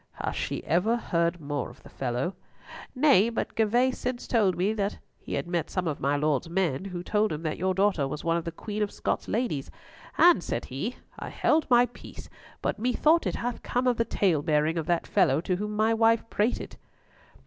"Hath she ever heard more of the fellow?" "Nay, but Gervas since told me that he had met some of my Lord's men who told him that your daughter was one of the Queen of Scots' ladies, and said he, 'I held my peace; but methought, It hath come of the talebearing of that fellow to whom my wife prated.'"